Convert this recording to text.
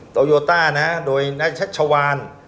โตโยต้านะโดยนักชัชวาน